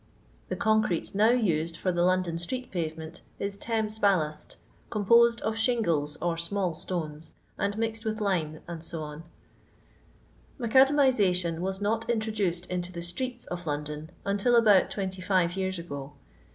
The concrete now used for the London atreei pavement is Thames ballast, composed of shingles, or soudl itones, and mixed with lime, &c Haeadsmiaalion was not introduced into the streets of London until about 25 years ago.